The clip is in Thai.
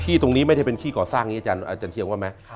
ตรงนี้ไม่ได้เป็นที่ก่อสร้างนี้อาจารย์เชียงว่าไหม